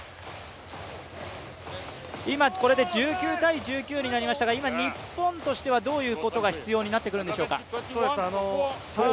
今、これで１９−１９になりましたが今、日本としてはどういうことが必要になってくるんでしょうか？